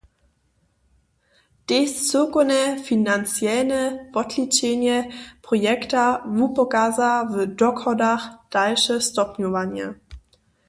Tež cyłkowne financielne wotličenje projekta wupokaza w dochodach dalše stopnjowanje.